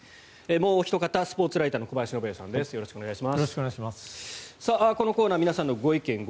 もうおひと方スポーツライターの小林信也さんです。